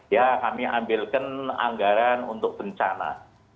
ya kami ambilkan anggaran untuk bencana